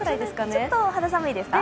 ちょっと肌寒いですか。